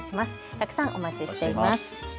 たくさんお待ちしています。